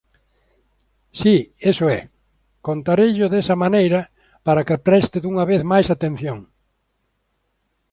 Si, iso é, contareillo desa maneira para que preste dunha vez máis atención.